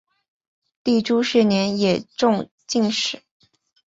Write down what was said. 弟朱士廉也中进士。